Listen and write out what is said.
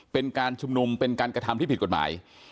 เป็นการชุมนุมเป็นการกระทำที่ผิดกฎหมาย